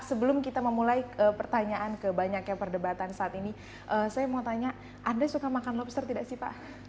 sebelum kita memulai pertanyaan ke banyaknya perdebatan saat ini saya mau tanya anda suka makan lobster tidak sih pak